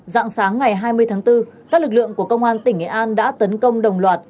dạng sáng ngày hai mươi tháng bốn các lực lượng của công an tỉnh nghệ an đã tấn công đồng loạt